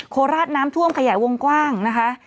โคราชน้ำท่วมขยายวงกว้างนะคะ